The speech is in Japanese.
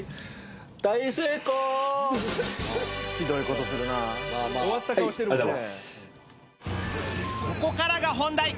ここからが本題。